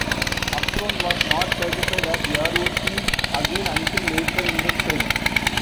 "Akron" was not certified as airworthy again until later in the spring.